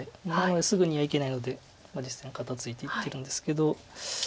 なのですぐにはいけないので実戦肩ツイていってるんですけど。